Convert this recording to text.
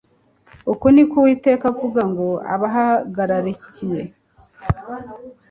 Uku ni ko Uwiteka avuga ngo Abahagarikiye